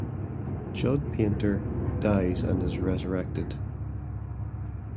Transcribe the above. Jud Paynter dies and is resurrected.